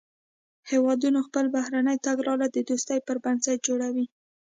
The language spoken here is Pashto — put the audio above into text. هیوادونه خپله بهرنۍ تګلاره د دوستۍ پر بنسټ جوړوي